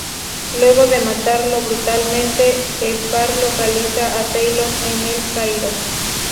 Luego de matarlo brutalmente, el par localiza a Taylor en El Cairo.